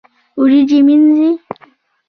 وريجي مينځي